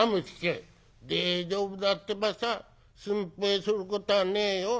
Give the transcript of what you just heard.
「大丈夫だってばさ。心配することはねえよ。